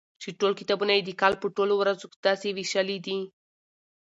چي ټول کتابونه يي د کال په ټولو ورځو داسي ويشلي دي